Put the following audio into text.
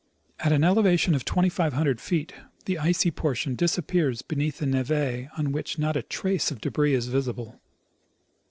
At an elevation of 2,500 feet the icy portion disappears beneath the neve on which not a trace of debris is visible.